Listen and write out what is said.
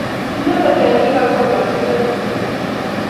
inendet eng kila kolochigei tutikiin